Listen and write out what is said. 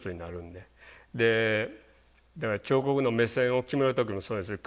でだから彫刻の目線を決める時もそうですね。